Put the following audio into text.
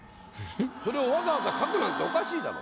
それをわざわざ書くなんておかしいだろ。